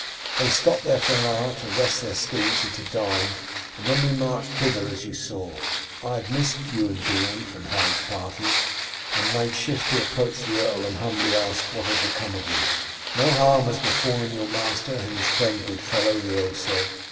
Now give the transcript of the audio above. They stopped there for an hour to rest their steeds and to dine, and then we marched hither as you saw. I had missed you and Beorn from Harold's party, and made shift to approach the earl and humbly ask him what had become of you. 'No harm has befallen your master and his friend, good fellow,' the earl said.